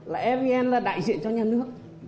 là evn là đại diện cho nhà nước